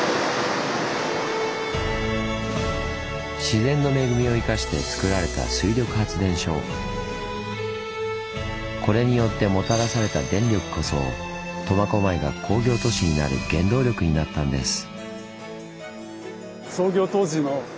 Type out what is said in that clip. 自然の恵みを生かしてつくられたこれによってもたらされた電力こそ苫小牧が工業都市になる原動力になったんです。